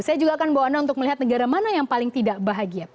saya juga akan bawa anda untuk melihat negara mana yang paling tidak bahagia